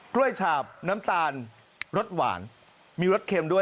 ้วยฉาบน้ำตาลรสหวานมีรสเค็มด้วย